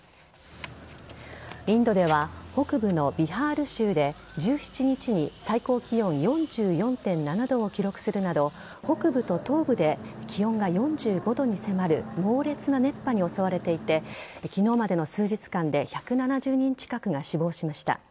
インドでは、北部のビハール州で、１７日に最高気温４４．７度を記録するなど、北部と東部で気温が４５度に迫る猛烈な熱波に襲われていて、きのうまでの数日間で１７０人近くが死亡しました。